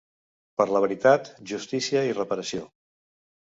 Per la veritat, justícia i reparació.